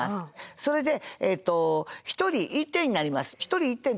それで１人１点になりますと。